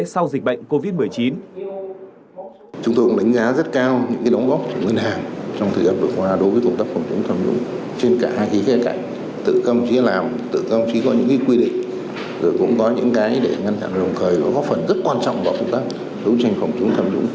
sau dịch bệnh covid một mươi chín